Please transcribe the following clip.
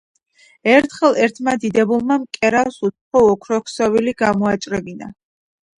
ერთხელ ერთმა დიდებულმა, მკერავს უცხო ოქროქსოვილი გამოაჭრევინა